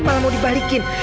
malah mau dibalikin